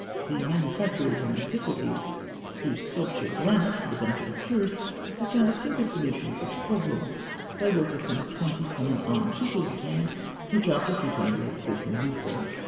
The manufacturers of antiquities who sculpture granite for the benefit of tourists, have found a simple solution of this problem. They work with some twenty common iron chisels at hand, which after a very few turns are good for nothing.